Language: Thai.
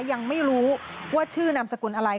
ยังไม่รู้ว่าชื่อนามสกุลอะไร